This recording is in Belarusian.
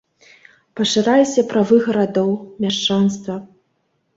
Пашыраліся правы гарадоў, мяшчанства.